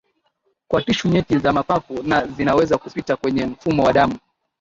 kwa tishu nyeti za mapafu na zinaweza kupita kwenye mfumo wa damu